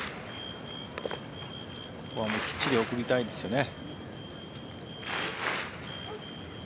ここはきっちり送りたいですよね。